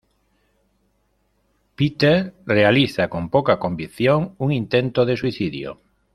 Peter realiza, con poca convicción, un intento de suicidio.